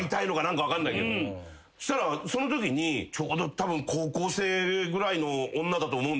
そしたらそのときにちょうどたぶん高校生ぐらいの女だと思うんですけど。